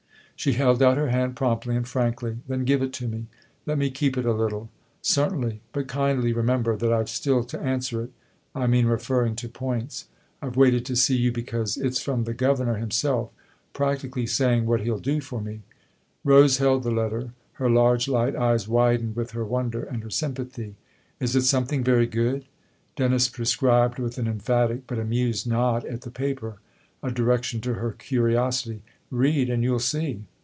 She held out her hand promptly and frankly. 11 Then give it to me let me keep it a little." " Certainly ; but kindly remember that I've still to answer it I mean referring to points. I've waited to see you because it's from the ' governor ' himself practically saying what he'll do for me." 60 THE OTHER HOUSE Rose held the letter ; her large light eyes widened with her wonder and her sympathy. " Is it some thing very good ?" Dennis prescribed, with an emphatic but amused nod at the paper, a direction to her curiosity. " Read and you'll see